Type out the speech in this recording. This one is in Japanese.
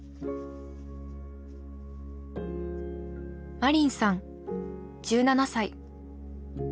マリンさん１７歳。